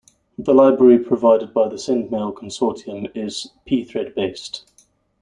The library provided by The Sendmail Consortium is pthread-based.